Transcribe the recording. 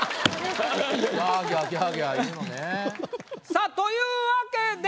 さぁというわけで。